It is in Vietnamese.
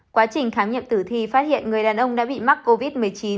quá trình khám nghiệm tử thi phát hiện người đàn ông đã bị mắc covid một mươi chín